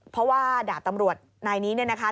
เพราะว่าดาบตำรวจนายนี้เนี่ยนะคะ